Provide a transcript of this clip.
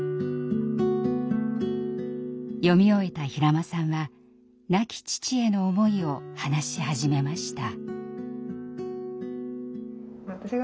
読み終えた平間さんは亡き父への思いを話し始めました。